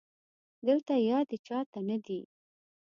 دلته يادې چا ته نه دي